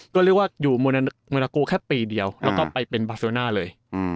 ก็เรียกว่าอยู่เมืองนาโกแค่ปีเดียวแล้วก็ไปเป็นบาเซโรน่าเลย